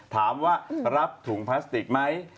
ถามว่ารับถุงพลาสติกไหม